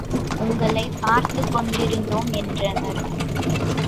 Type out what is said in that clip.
உங்களைப் பார்த்துக் கொண்டிருந்தோம் என்றனர்.